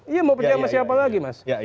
iya mau percaya sama siapa lagi mas